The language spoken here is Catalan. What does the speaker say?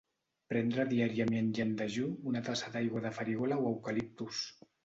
Prendre diàriament i en dejú una tassa d'aigua de farigola o eucaliptus.